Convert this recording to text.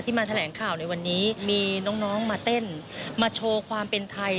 มาแถลงข่าวในวันนี้มีน้องมาเต้นมาโชว์ความเป็นไทย